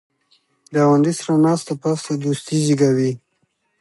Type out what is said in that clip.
ګاونډي سره ناسته پاسته دوستي زیږوي